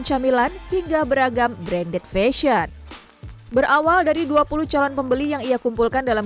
camilan hingga beragam branded fashion berawal dari dua puluh calon pembeli yang ia kumpulkan dalam